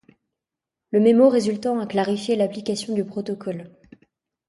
Le mémo résultant a clarifié l'application du protocole.